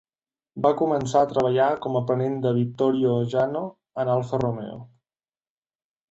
Va començar a treballar com a aprenent de Vittorio Jano en Alfa Romeo.